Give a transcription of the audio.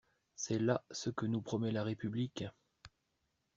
C'est là ce que nous promet la République!